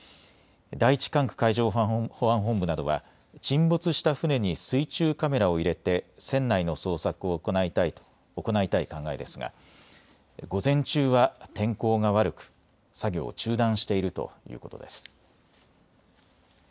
第１管区海上保安本部などは沈没した船に水中カメラを入れて船内の捜索を行いたい考えですが午前中は天候が悪く、作業を中断しているということです。